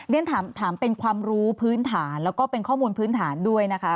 เรียนถามเป็นความรู้พื้นฐานแล้วก็เป็นข้อมูลพื้นฐานด้วยนะคะ